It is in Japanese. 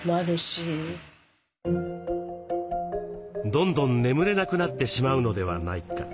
どんどん眠れなくなってしまうのではないか。